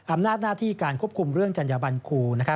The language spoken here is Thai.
อำนาจหน้าที่การควบคุมเรื่องจัญญบันครู